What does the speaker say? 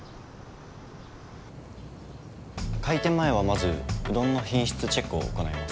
開店前はまずうどんの品質チェックを行います。